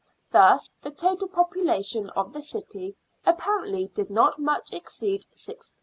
Thus the total population of the city appar ently did not much exceed 6,000.